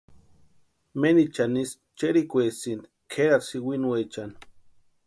Menichani ísï cherhikwaesinti kʼerati sïwinuecha.